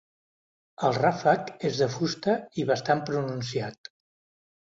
El ràfec és de fusta i bastant pronunciat.